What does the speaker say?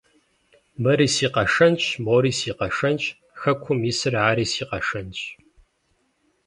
Мыри си къэшэнщ! Мори си къэшэнщ! Хэкум исыр ари си къэшэнщ!